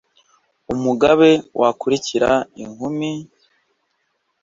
umugabe wakurikira inkumi,